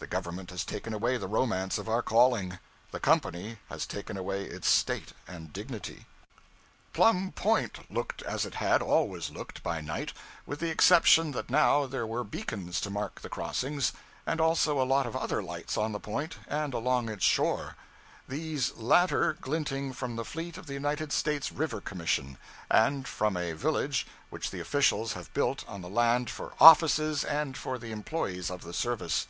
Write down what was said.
The Government has taken away the romance of our calling; the Company has taken away its state and dignity. Plum Point looked as it had always looked by night, with the exception that now there were beacons to mark the crossings, and also a lot of other lights on the Point and along its shore; these latter glinting from the fleet of the United States River Commission, and from a village which the officials have built on the land for offices and for the employees of the service.